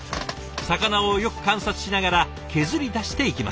魚をよく観察しながら削り出していきます。